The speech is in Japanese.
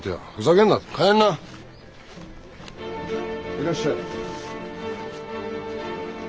いらっしゃい。